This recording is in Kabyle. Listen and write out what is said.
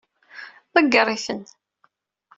Ḍeggeṛ-iten.